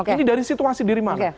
ini dari situasi dari mana